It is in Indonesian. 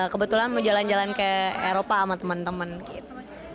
kebetulan mau jalan jalan ke eropa sama teman teman gitu